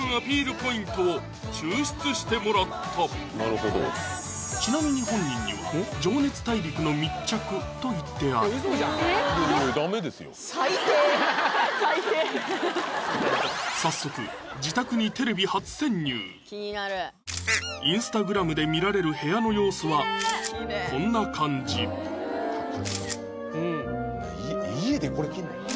ポイントを抽出してもらったちなみに本人には「情熱大陸」の密着と言ってあるサイテー早速インスタグラムで見られる部屋の様子はこんな感じ家でこれ着んの？